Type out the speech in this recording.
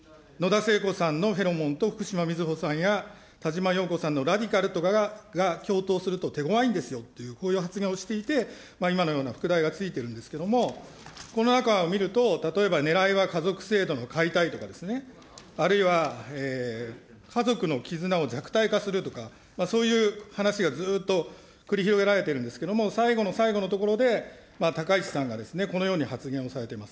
野田聖子さんのフェロモンと福島みずほさんやたじまようこさんのラディカルとが共闘すると手ごわいんですよという、こういう発言をしていて、今のような副題が付いているんですけれども、この中を見ると、例えばねらいは家族制度の解体とかですね、あるいは家族の絆を弱体化するとか、そういう話がずっと繰り広げられているんですけれども、最後の最後のところで、高市さんがこのように発言をされています。